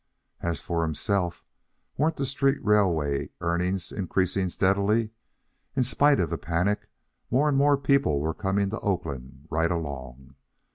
As for himself, weren't the street railway earnings increasing steadily? In spite of the panic, more and more people were coming to Oakland right along.